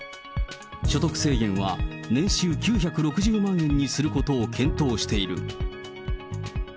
所得制限は年収９６０万円にすることを検討している。